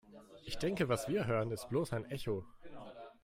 Ich denke, was wir hören, ist bloß ein Echo.